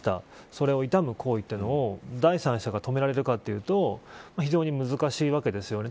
それを悼む行為というのを第三者が止められるかというと非常に難しいわけですよね。